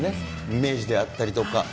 イメージであったりとか。